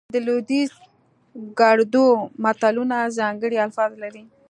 د لودیز ګړدود متلونه ځانګړي الفاظ لري